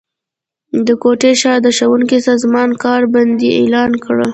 د کوټي ښار د ښونکو سازمان کار بندي اعلان کړه